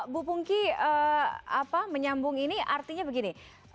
bu pungki menyambung ini artinya begini